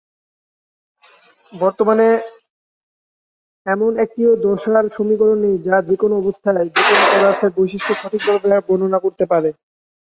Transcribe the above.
বর্তমানে, এমন একটিও দশার সমীকরণ নেই যা যেকোনো অবস্থায় যেকোনো পদার্থের বৈশিষ্ট্য সঠিকভাবে বর্ণনা করতে পারে।